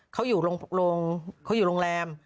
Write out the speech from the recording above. เขาอยู่ลงโรงอยู่โรงแรม